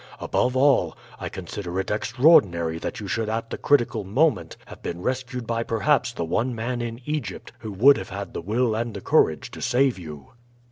Above all, I consider it extraordinary that you should at the critical moment have been rescued by perhaps the one man in Egypt who would have had the will and the courage to save you."